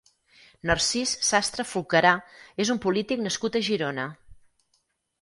Narcís Sastre Fulcarà és un polític nascut a Girona.